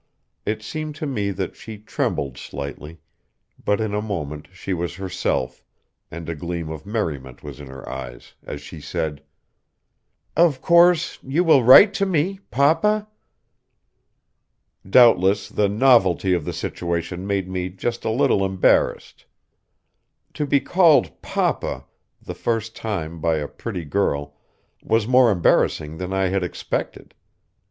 It seemed to me that she trembled slightly, but in a moment she was herself, and a gleam of merriment was in her eyes, as she said: "Of course you will write to me papa?" Doubtless the novelty of the situation made me just a little embarrassed. To be called "papa" the first time by a pretty girl was more embarrassing than I had expected.